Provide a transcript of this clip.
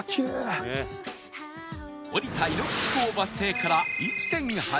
降りた井口港バス停から １．８ キロ